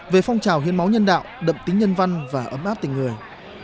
về phong trào hiến máu nhân đạo đậm tính nhân văn và ấm áp tình người